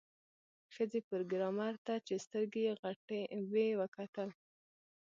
ښځې پروګرامر ته چې سترګې یې غټې وې وکتل